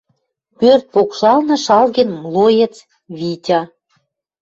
Пӧрт покшалны шалген млоец Витя